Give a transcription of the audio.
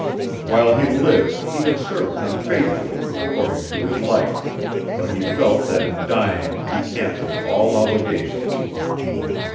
While he lived, he had served them faithfully, according to his light; but he felt that in dying he cancelled all obligations.